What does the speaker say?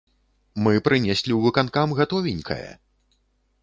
Мы прынеслі ў выканкам гатовенькае!